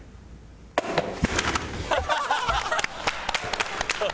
ハハハハ！